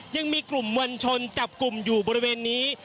ยังมีกลุ่มมวลชนจับกลุ่มอยู่บริเวณนี้